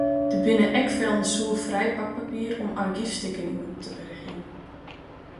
Der binne ek fellen soerfrij pakpapier om argyfstikken yn op te bergjen.